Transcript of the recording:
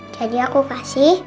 jadi aku kasih